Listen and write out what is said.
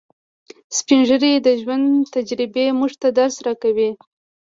سپین ږیری د ژوند تجربې موږ ته درس راکوي